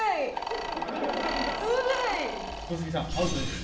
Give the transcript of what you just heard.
小杉さんアウトです。